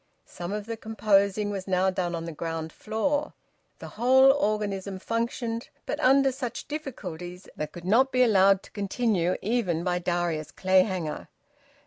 Some of the composing was now done on the ground floor. The whole organism functioned, but under such difficulties as could not be allowed to continue, even by Darius Clayhanger.